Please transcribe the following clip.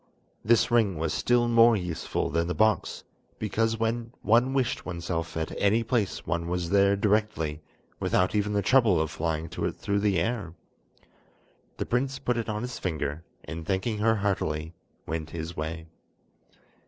This ring was still more useful than the box, because when one wished oneself at any place one was there directly, without even the trouble of flying to it through the air. The prince put it on his finger, and thanking her heartily, went his way.